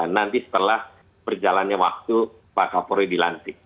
nanti setelah berjalannya waktu pak kapolri dilantik